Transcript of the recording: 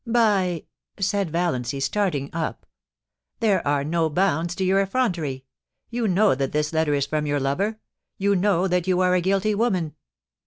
* By !' said Valiancy, starting up, * There are no bounds to your effrontery. You know that this letter is from your lover. You know that you are a guilty woman